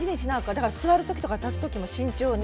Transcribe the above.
だから座るときとか立つときも慎重に。